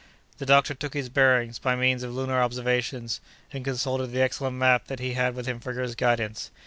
The doctor took his bearings, by means of lunar observations, and consulted the excellent map that he had with him for his guidance.